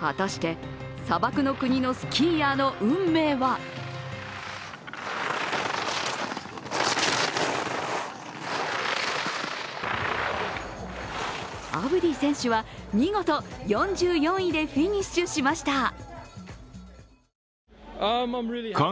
果たして、砂漠の国のスキーヤーの運命はアブディ選手は見事４４位でフィニッシュしました。